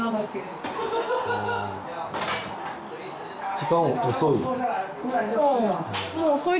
時間遅い。